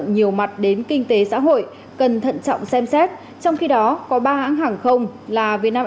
nhiều mặt đến kinh tế xã hội cần thận trọng xem xét trong khi đó có ba hãng hàng không là việt nam